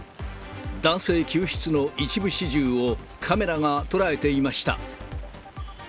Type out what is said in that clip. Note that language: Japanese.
男性救出の一部始終を、カメラが捉えていました。